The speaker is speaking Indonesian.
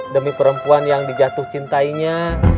demi perempuan yang di jatuh cintainya